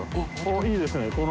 いいですねこの。